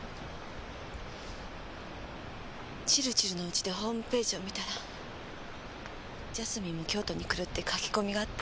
チルチルの家でホームページを見たらジャスミンも京都に来るってカキコミがあった。